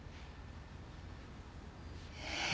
ええ。